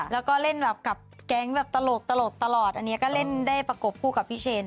แล้วก็เล่นแบบกับแก๊งแบบตลกตลอดอันนี้ก็เล่นได้ประกบคู่กับพี่เชน